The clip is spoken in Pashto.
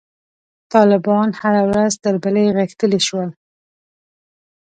طالبان هره ورځ تر بلې غښتلي شول.